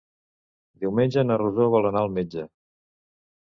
Diumenge na Rosó vol anar al metge.